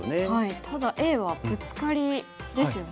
ただＡはブツカリですよね。